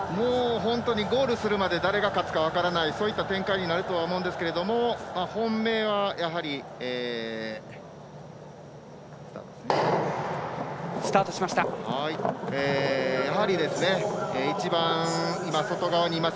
ゴールするまで誰が勝つか分からない、そういった展開になると思うんですけど本命は、一番外側にいます